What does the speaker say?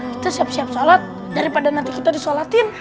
kita siap siap sholat daripada nanti kita disolatin